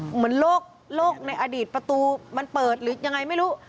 เหมือนโลกในอดีตประตูมันเปิดหรือยังไงไม่รู้